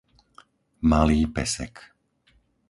Malý Pesek